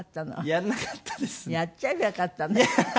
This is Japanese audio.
やっちゃえばよかったのに。